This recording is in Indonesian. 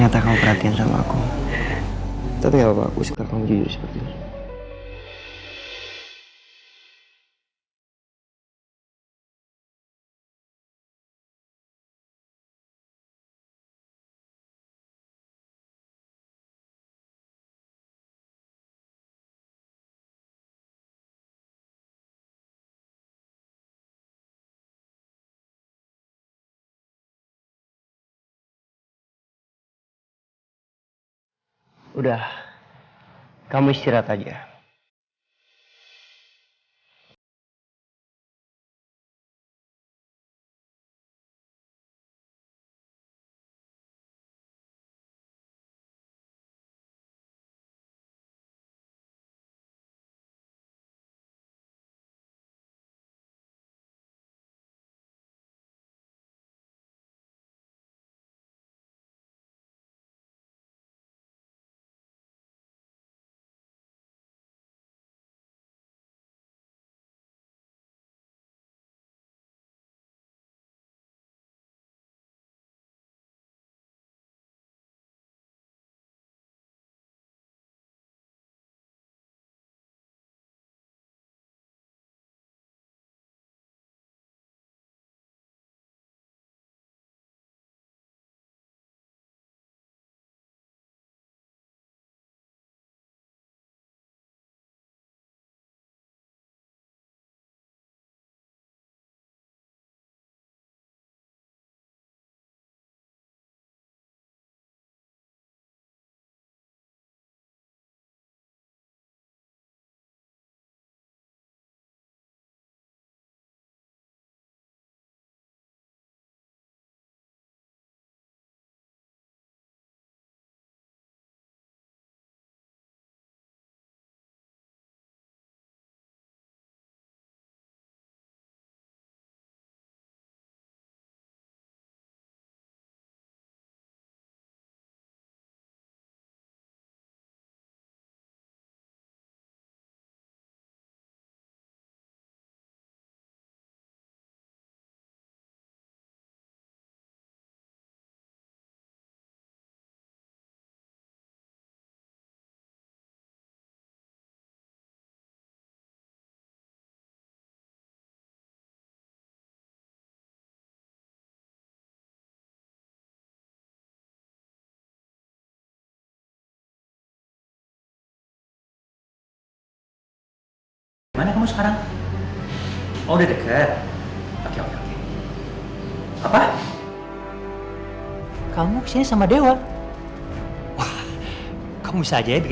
ternyata kamu perhatiin sama aku